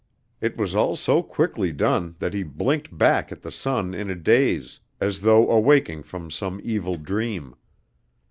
It was all so quickly done that he blinked back at the sun in a daze as though awaking from some evil dream.